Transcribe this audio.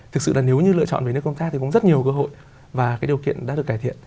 thực sự là nếu như lựa chọn về nước công tác thì cũng rất nhiều cơ hội và cái điều kiện đã được cải thiện